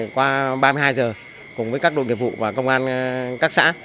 qua ba mươi hai giờ cùng với các đội nghiệp vụ và công an các xã